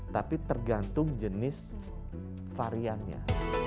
tapi ada yang lebih jenis variannya